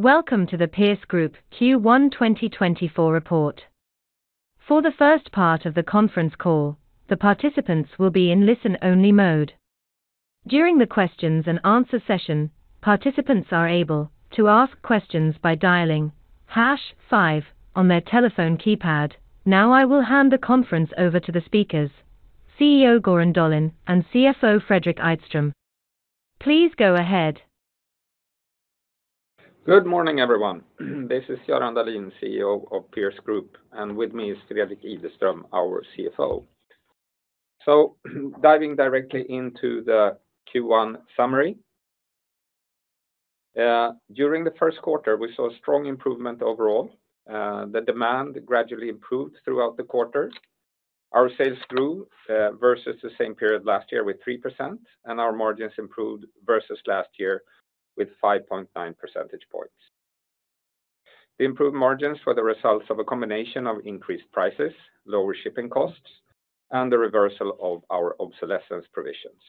Welcome to the Pierce Group Q1 2024 report. For the first part of the conference call, the participants will be in listen-only mode. During the questions-and-answers session, participants are able to ask questions by dialing #5 on their telephone keypad. Now I will hand the conference over to the speakers: CEO Göran Dahlin and CFO Fredrik Ideström. Please go ahead. Good morning, everyone. This is Göran Dahlin, CEO of Pierce Group, and with me is Fredrik Ideström, our CFO. Diving directly into the Q1 summary. During the first quarter, we saw a strong improvement overall. The demand gradually improved throughout the quarter. Our sales grew versus the same period last year with 3%, and our margins improved versus last year with 5.9 percentage points. The improved margins were the results of a combination of increased prices, lower shipping costs, and the reversal of our obsolescence provisions.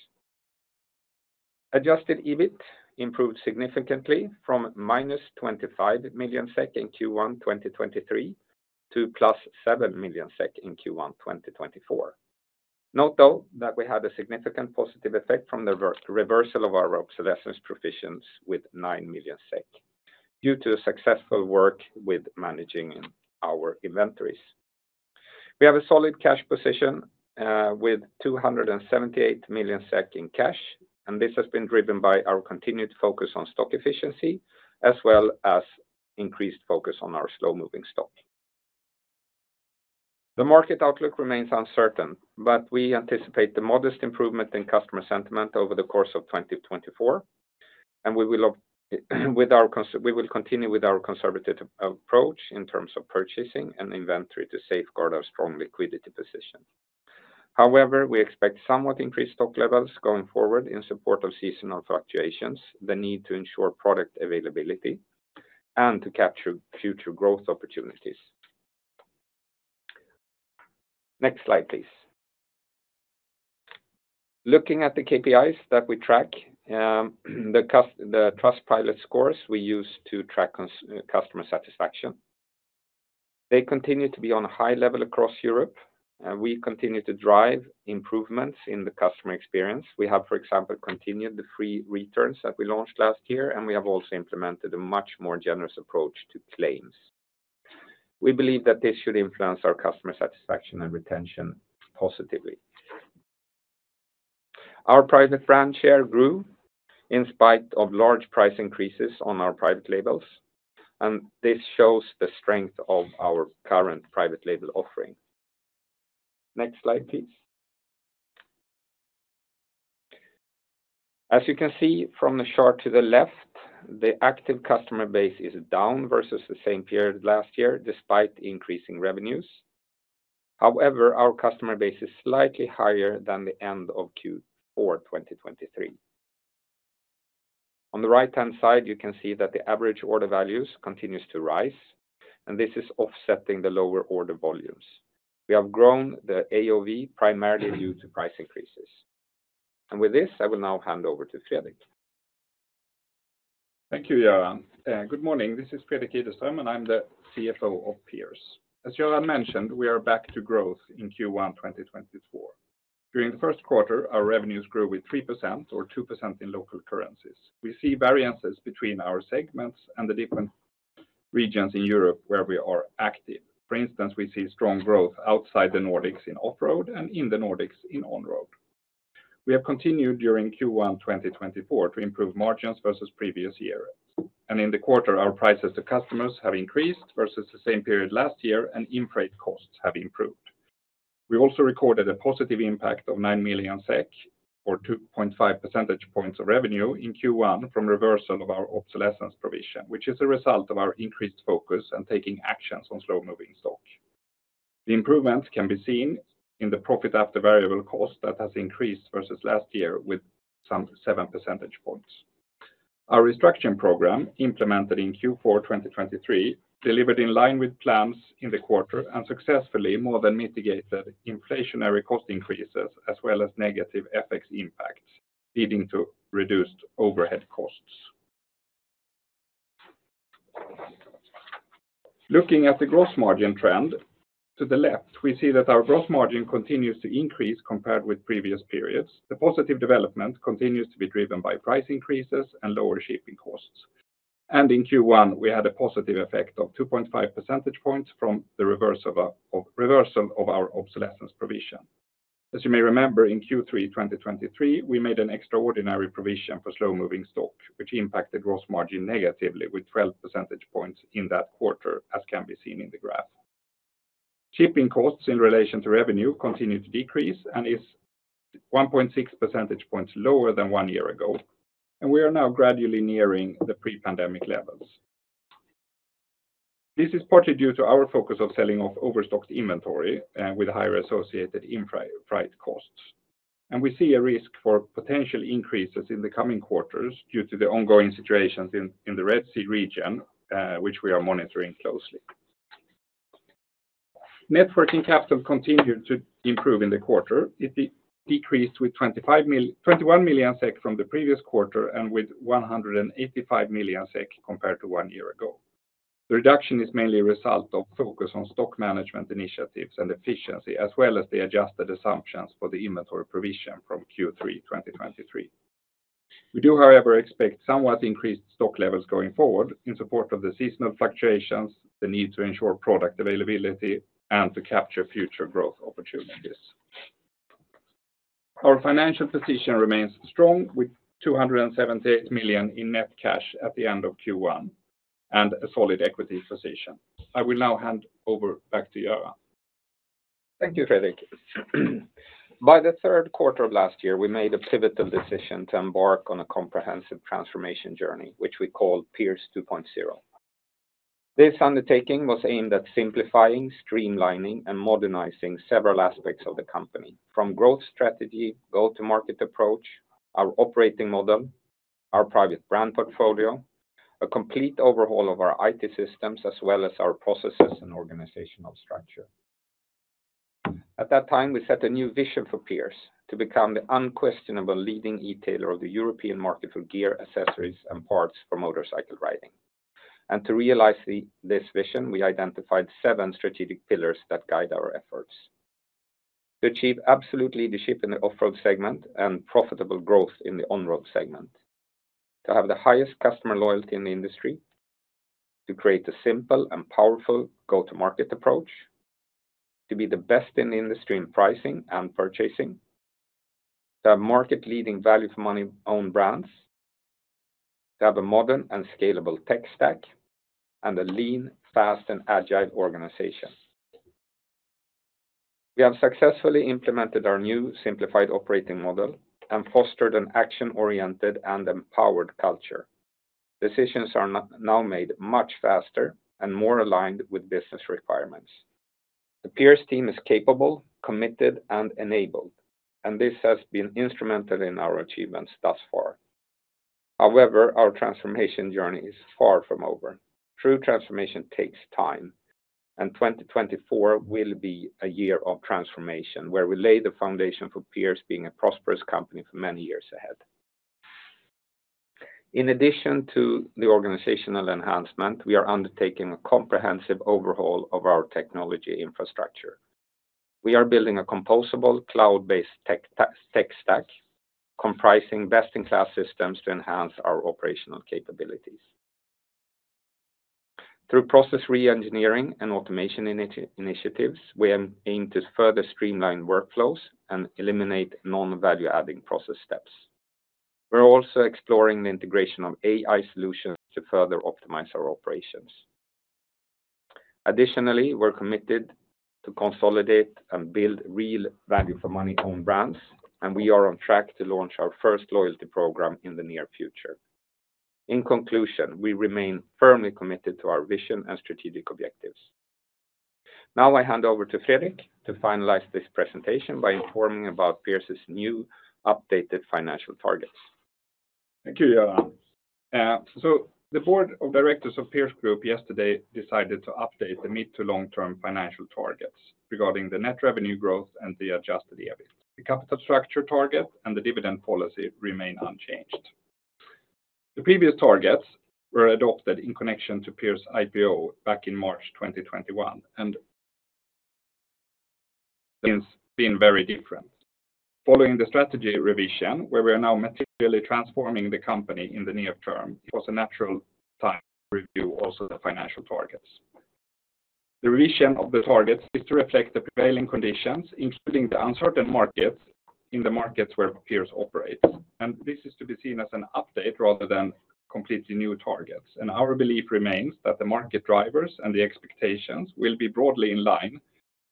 Adjusted EBIT improved significantly from -25 million SEK in Q1 2023 to +7 million SEK in Q1 2024. Note though that we had a significant positive effect from the reversal of our obsolescence provisions with 9 million SEK due to successful work with managing our inventories. We have a solid cash position with 278 million SEK in cash, and this has been driven by our continued focus on stock efficiency as well as increased focus on our slow-moving stock. The market outlook remains uncertain, but we anticipate the modest improvement in customer sentiment over the course of 2024, and we will continue with our conservative approach in terms of purchasing and inventory to safeguard our strong liquidity position. However, we expect somewhat increased stock levels going forward in support of seasonal fluctuations, the need to ensure product availability, and to capture future growth opportunities. Next slide, please. Looking at the KPIs that we track, the Trustpilot scores we use to track customer satisfaction. They continue to be on a high level across Europe, and we continue to drive improvements in the customer experience. We have, for example, continued the free returns that we launched last year, and we have also implemented a much more generous approach to claims. We believe that this should influence our customer satisfaction and retention positively. Our private brand share grew in spite of large price increases on our private labels, and this shows the strength of our current private label offering. Next slide, please. As you can see from the chart to the left, the active customer base is down versus the same period last year despite increasing revenues. However, our customer base is slightly higher than the end of Q4 2023. On the right-hand side, you can see that the average order values continue to rise, and this is offsetting the lower order volumes. We have grown the AOV primarily due to price increases. With this, I will now hand over to Fredrik. Thank you, Göran. Good morning. This is Fredrik Ideström, and I'm the CFO of Pierce. As Göran mentioned, we are back to growth in Q1 2024. During the first quarter, our revenues grew with 3% or 2% in local currencies. We see variances between our segments and the different regions in Europe where we are active. For instance, we see strong growth outside the Nordics in off-road and in the Nordics in on-road. We have continued during Q1 2024 to improve margins versus previous years. In the quarter, our prices to customers have increased versus the same period last year, and in-freight costs have improved. We also recorded a positive impact of 9 million SEK or 2.5 percentage points of revenue in Q1 from reversal of our obsolescence provision, which is a result of our increased focus and taking actions on slow-moving stock. The improvements can be seen in the profit after variable cost that has increased versus last year with some 7 percentage points. Our restructuring program implemented in Q4 2023 delivered in line with plans in the quarter and successfully more than mitigated inflationary cost increases as well as negative FX impacts, leading to reduced overhead costs. Looking at the gross margin trend to the left, we see that our gross margin continues to increase compared with previous periods. The positive development continues to be driven by price increases and lower shipping costs. In Q1, we had a positive effect of 2.5 percentage points from the reversal of our obsolescence provision. As you may remember, in Q3 2023, we made an extraordinary provision for slow-moving stock, which impacted gross margin negatively with 12 percentage points in that quarter, as can be seen in the graph. Shipping costs in relation to revenue continue to decrease and are 1.6 percentage points lower than one year ago, and we are now gradually nearing the pre-pandemic levels. This is partly due to our focus on selling off overstocked inventory with higher associated in-freight costs. We see a risk for potential increases in the coming quarters due to the ongoing situations in the Red Sea region, which we are monitoring closely. Net working capital continued to improve in the quarter. It decreased with 21 million SEK from the previous quarter and with 185 million SEK compared to one year ago. The reduction is mainly a result of focus on stock management initiatives and efficiency, as well as the adjusted assumptions for the inventory provision from Q3 2023. We do, however, expect somewhat increased stock levels going forward in support of the seasonal fluctuations, the need to ensure product availability, and to capture future growth opportunities. Our financial position remains strong with 278 million in net cash at the end of Q1 and a solid equity position. I will now hand over back to Göran. Thank you, Fredrik. By the third quarter of last year, we made a pivotal decision to embark on a comprehensive transformation journey, which we called Pierce 2.0. This undertaking was aimed at simplifying, streamlining, and modernizing several aspects of the company: from growth strategy, go-to-market approach, our operating model, our private brand portfolio, a complete overhaul of our IT systems as well as our processes and organizational structure. At that time, we set a new vision for Pierce: to become the unquestionable leading retailer of the European market for gear, accessories, and parts for motorcycle riding. To realize this vision, we identified seven strategic pillars that guide our efforts: to achieve absolute leadership in the off-road segment and profitable growth in the on-road segment, to have the highest customer loyalty in the industry, to create a simple and powerful go-to-market approach, to be the best in the industry in pricing and purchasing, to have market-leading value-for-money-owned brands, to have a modern and scalable tech stack, and a lean, fast, and agile organization. We have successfully implemented our new simplified operating model and fostered an action-oriented and empowered culture. Decisions are now made much faster and more aligned with business requirements. The Pierce team is capable, committed, and enabled, and this has been instrumental in our achievements thus far. However, our transformation journey is far from over. True transformation takes time, and 2024 will be a year of transformation where we lay the foundation for Pierce being a prosperous company for many years ahead. In addition to the organizational enhancement, we are undertaking a comprehensive overhaul of our technology infrastructure. We are building a composable, cloud-based tech stack comprising best-in-class systems to enhance our operational capabilities. Through process re-engineering and automation initiatives, we aim to further streamline workflows and eliminate non-value-adding process steps. We're also exploring the integration of AI solutions to further optimize our operations. Additionally, we're committed to consolidate and build real value-for-money-owned brands, and we are on track to launch our first loyalty program in the near future. In conclusion, we remain firmly committed to our vision and strategic objectives. Now I hand over to Fredrik to finalize this presentation by informing about Pierce's new updated financial targets. Thank you, Göran. So the board of directors of Pierce Group yesterday decided to update the mid- to long-term financial targets regarding the net revenue growth and the adjusted EBIT. The capital structure target and the dividend policy remain unchanged. The previous targets were adopted in connection to Pierce's IPO back in March 2021, and has been very different. Following the strategy revision, where we are now materially transforming the company in the near term, it was a natural time to review also the financial targets. The revision of the targets is to reflect the prevailing conditions, including the uncertain markets in the markets where Pierce operates. And this is to be seen as an update rather than completely new targets. Our belief remains that the market drivers and the expectations will be broadly in line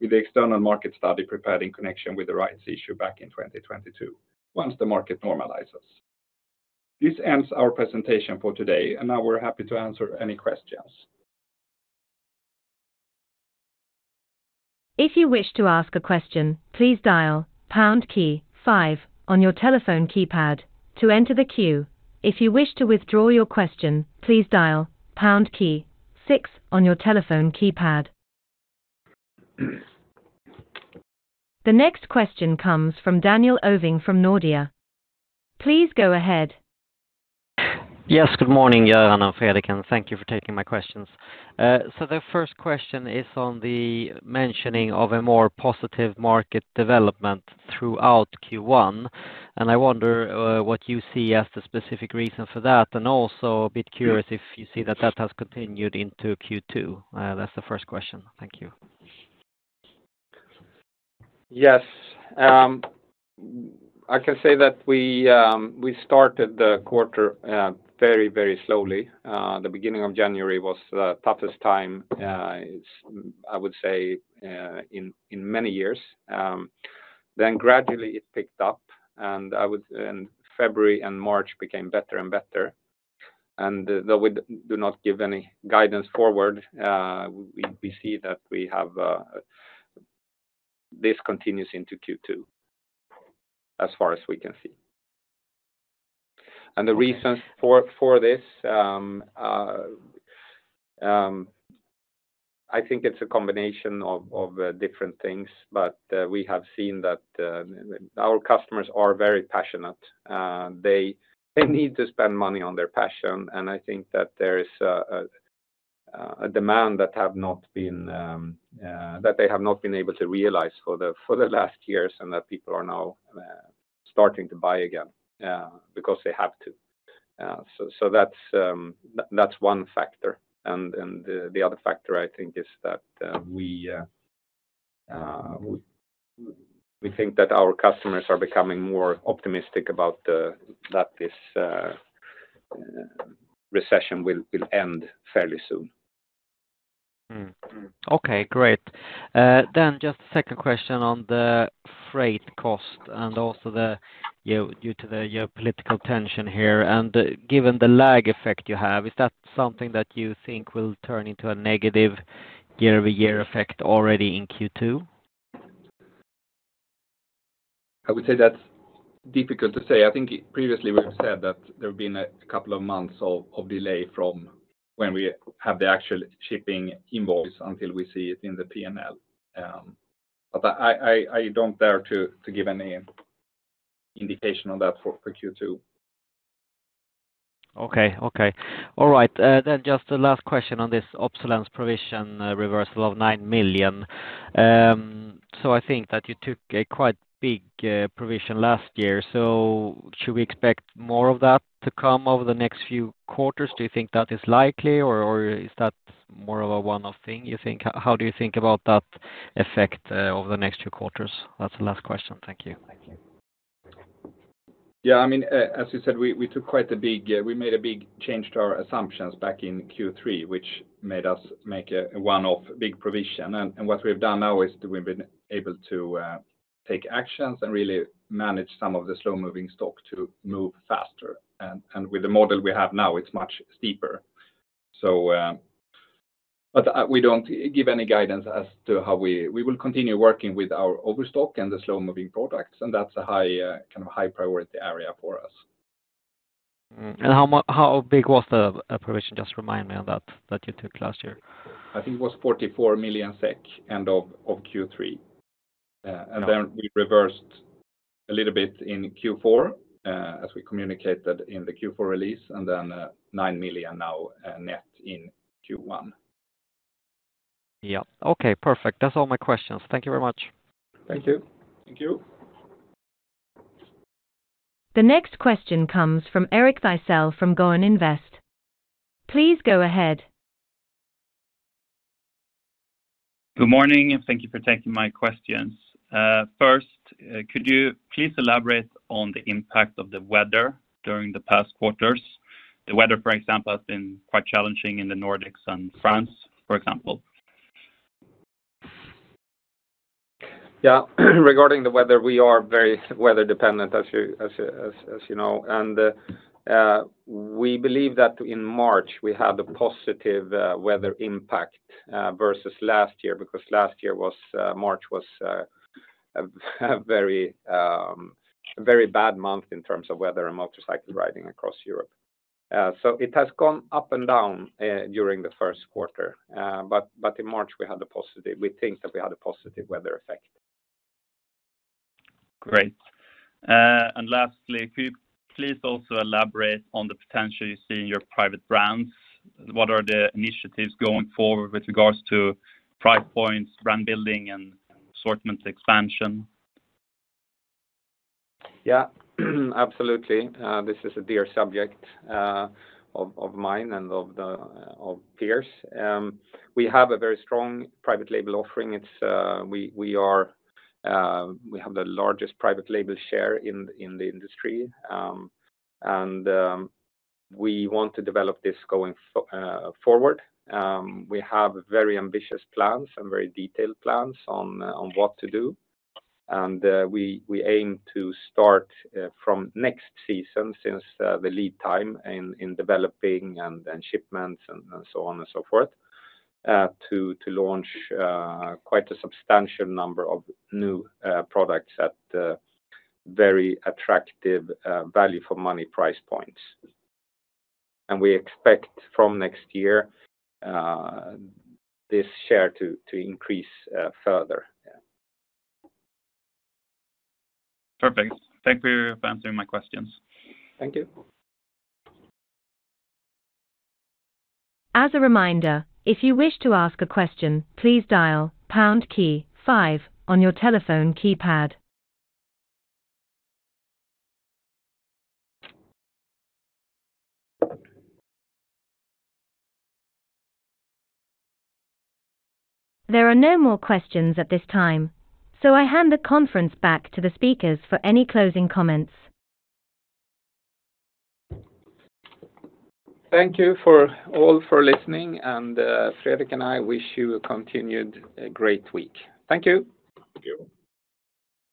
with the external market study prepared in connection with the rights issue back in 2022 once the market normalizes. This ends our presentation for today, and now we're happy to answer any questions. If you wish to ask a question, please dial #5 on your telephone keypad to enter the queue. If you wish to withdraw your question, please dial #6 on your telephone keypad. The next question comes from Daniel Ovin from Nordea. Please go ahead. Yes, good morning, Göran and Fredrik, and thank you for taking my questions. So the first question is on the mentioning of a more positive market development throughout Q1, and I wonder what you see as the specific reason for that. And also a bit curious if you see that that has continued into Q2. That's the first question. Thank you. Yes. I can say that we started the quarter very, very slowly. The beginning of January was the toughest time, I would say, in many years. Then gradually it picked up, and February and March became better and better. And though we do not give any guidance forward, we see that this continues into Q2 as far as we can see. And the reasons for this, I think it's a combination of different things, but we have seen that our customers are very passionate. They need to spend money on their passion, and I think that there is a demand that they have not been able to realize for the last years and that people are now starting to buy again because they have to. So that's one factor. The other factor, I think, is that we think that our customers are becoming more optimistic about that this recession will end fairly soon. Okay, great. Just a second question on the freight cost and also due to the geopolitical tension here. Given the lag effect you have, is that something that you think will turn into a negative year-over-year effect already in Q2? I would say that's difficult to say. I think previously we've said that there have been a couple of months of delay from when we have the actual shipping invoice until we see it in the P&L. But I don't dare to give any indication on that for Q2. Okay, okay. All right. Then just the last question on this obsolescence provision reversal of 9 million. So I think that you took a quite big provision last year. So should we expect more of that to come over the next few quarters? Do you think that is likely, or is that more of a one-off thing, you think? How do you think about that effect over the next few quarters? That's the last question. Thank you. Thank you. Yeah, I mean, as you said, we made a big change to our assumptions back in Q3, which made us make a one-off big provision. And what we've done now is we've been able to take actions and really manage some of the slow-moving stock to move faster. And with the model we have now, it's much steeper. But we don't give any guidance as to how we will continue working with our overstock and the slow-moving products, and that's a kind of high-priority area for us. How big was the provision? Just remind me on that you took last year. I think it was 44 million SEK end of Q3. And then we reversed a little bit in Q4, as we communicated in the Q4 release, and then 9 million now net in Q1. Yeah. Okay, perfect. That's all my questions. Thank you very much. Thank you. Thank you. The next question comes from Eric Thysell from Garn Invest. Please go ahead. Good morning. Thank you for taking my questions. First, could you please elaborate on the impact of the weather during the past quarters? The weather, for example, has been quite challenging in the Nordics and France, for example. Yeah. Regarding the weather, we are very weather-dependent, as you know. We believe that in March we had a positive weather impact versus last year because last year March was a very bad month in terms of weather and motorcycle riding across Europe. So it has gone up and down during the first quarter. But in March, we had a positive, we think that we had a positive weather effect. Great. Lastly, could you please also elaborate on the potential you see in your private brands? What are the initiatives going forward with regards to price points, brand building, and assortment expansion? Yeah, absolutely. This is a dear subject of mine and of Pierce. We have a very strong private label offering. We have the largest private label share in the industry, and we want to develop this going forward. We have very ambitious plans and very detailed plans on what to do. And we aim to start from next season, since the lead time in developing and shipments and so on and so forth, to launch quite a substantial number of new products at very attractive value-for-money price points. And we expect from next year this share to increase further. Perfect. Thank you for answering my questions. Thank you. As a reminder, if you wish to ask a question, please dial #5 on your telephone keypad. There are no more questions at this time, so I hand the conference back to the speakers for any closing comments. Thank you all for listening, and Fredrik and I wish you a continued great week. Thank you. Thank you.